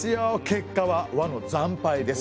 結果は倭の惨敗です。